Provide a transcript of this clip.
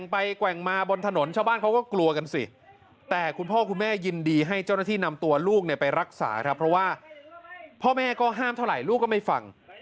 เพราะว่าพ่อแม่ก็ห้ามเท่าไหร่ลูกก็ไม่ฟัง